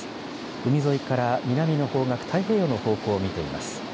海沿いから南の方角、太平洋の方角を見ています。